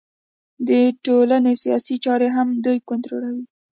د ټولنې سیاسي چارې هم دوی کنټرولوي